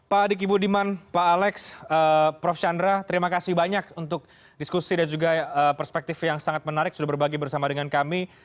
pak adiki budiman pak alex prof chandra terima kasih banyak untuk diskusi dan juga perspektif yang sangat menarik sudah berbagi bersama dengan kami